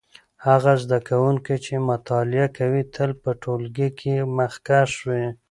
هغه زده کوونکی چې مطالعه کوي تل په ټولګي کې مخکښ وي.